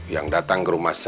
yang datang ke rumah